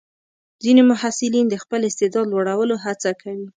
ځینې محصلین د خپل استعداد لوړولو هڅه کوي.